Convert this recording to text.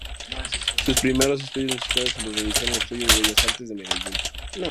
Sus primeros estudios musicales los realizó en el Instituto de Bellas Artes de Medellín.